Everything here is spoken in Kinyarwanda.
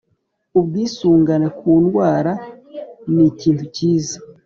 ubwisungane ku ndwara nikintu kiza